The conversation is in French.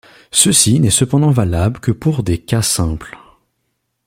Ceci n'est cependant valable que pour des cas simples.